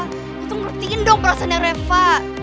aku tuh ngertiin dong perasaannya reva